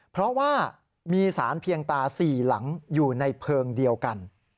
เพราะว่ามีสารเพียงตา๔หลังอยู่ในเพลิงเดียวกัน